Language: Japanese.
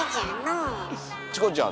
チコちゃん